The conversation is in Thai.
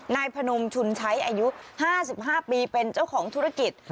นายพนมชุนใช้อายุ๕๕ปีเป็นเจ้าของธุรกิจ